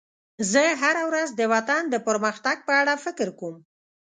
زه هره ورځ د وطن د پرمختګ په اړه فکر کوم.